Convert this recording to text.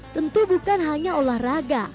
tentu bukan hanya olahraga